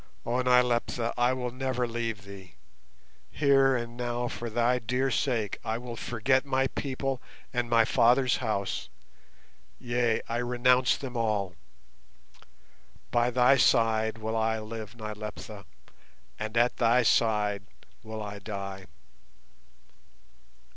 Oh, Nyleptha, I will never leave thee; here and now for thy dear sake I will forget my people and my father's house, yea, I renounce them all. By thy side will I live, Nyleptha, and at thy side will I die."